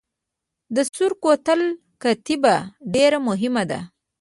د سور کوتل کتیبه ډیره مهمه ده